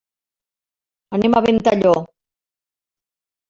Anem a Ventalló.